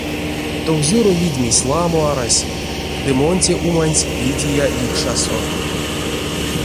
Товсюро видьмесь ламо арасель, ды мон те уманть видия ликшасо.